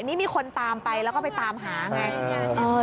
นี่มีคนตามไปแล้วก็ไปตามหาไง